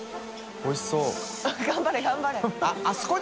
おいしそう。